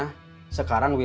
tidak ada apa apa